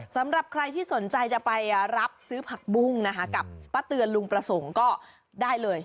สำหรับใครที่สนใจจะไปรับซื้อผักบุ้งนะคะกับป้าเตือนลุงประสงค์ก็ได้เลย